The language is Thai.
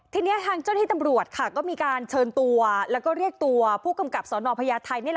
ทีนี้ทางเจ้าหน้าที่ตำรวจก็มีการเชิญตัวแล้วก็เรียกตัวผู้กำกับสนพญาไทย